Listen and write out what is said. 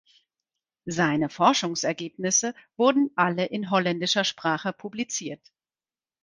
Seine Forschungsergebnisse wurden alle in holländischer Sprache publiziert.